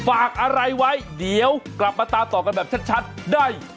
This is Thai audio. ฝากอะไรไว้เดี๋ยวกลับมาตามต่อกันแบบชัดได้